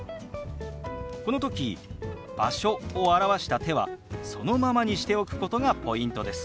この時「場所」を表した手はそのままにしておくことがポイントです。